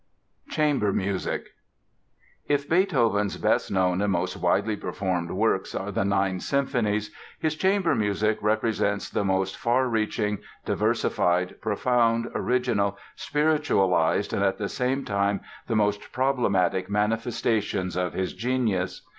Chamber Music If Beethoven's best known and most widely performed works are the nine symphonies, his chamber music represents the most far reaching, diversified, profound, original, spiritualized, and at the same time the most problematic manifestations of his genius.